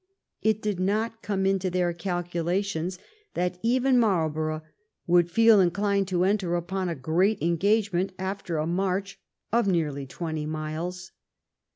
It did not come into their calculations that even Marlborough would feel inclined to enter upon a great engagement after a march of nearly twenty miles.